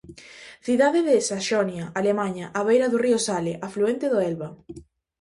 Cidade de Saxonia, Alemaña, á beira do río Sale, afluente do Elba.